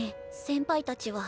先輩たちは。